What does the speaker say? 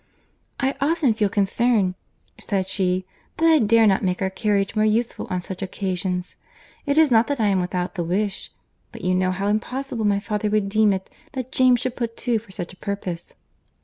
"I often feel concern," said she, "that I dare not make our carriage more useful on such occasions. It is not that I am without the wish; but you know how impossible my father would deem it that James should put to for such a purpose."